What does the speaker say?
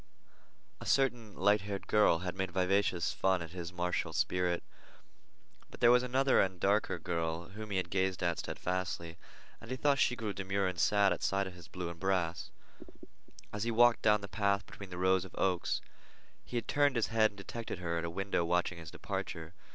A certain light haired girl had made vivacious fun at his martial spirit, but there was another and darker girl whom he had gazed at steadfastly, and he thought she grew demure and sad at sight of his blue and brass. As he had walked down the path between the rows of oaks, he had turned his head and detected her at a window watching his departure.